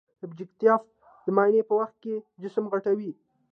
ابجکتیف د معاینې په وخت کې جسم غټوي.